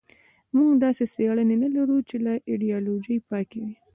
موږ داسې څېړنې نه لرو چې له ایدیالوژۍ پاکې وي.